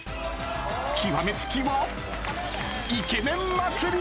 極め付きはイケメン祭り！